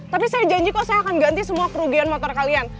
tapi saya janji kok saya akan ganti semua kerugian motor kalian